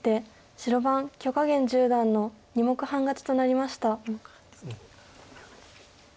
白番許家元十段の２目半勝ちとなりました。